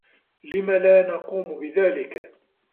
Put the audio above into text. لم لا نقوم بذلك؟